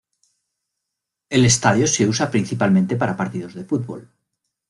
El estadio se usa principalmente para partidos de fútbol.